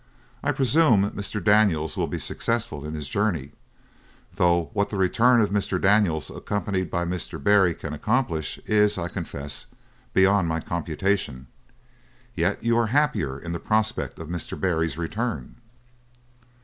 I presume Mr. Daniels will be successful in his journey, though what the return of Mr. Daniels accompanied by Mr. Barry can accomplish, is, I confess, beyond my computation. Yet you are happier in the prospect of Mr. Barry's return?'